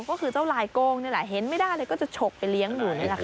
ก็คือเจ้าลายโก้งนี่แหละเห็นไม่ได้เลยก็จะฉกไปเลี้ยงอยู่นี่แหละค่ะ